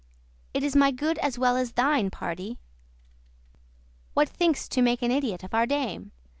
It is my good* as well as thine, pardie. *property What, think'st to make an idiot of our dame?